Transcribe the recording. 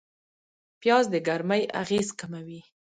پیاز د ګرمۍ اغېز کموي